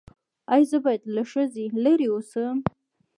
ایا زه باید له ښځې لرې اوسم؟